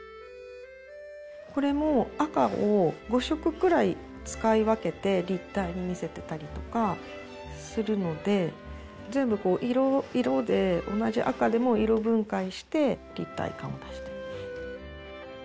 これも赤を５色くらい使い分けて立体に見せてたりとかするので全部こう色で同じ赤でも色分解して立体感を出してる。